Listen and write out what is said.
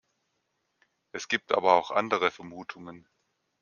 Es gibt aber auch andere Vermutungen.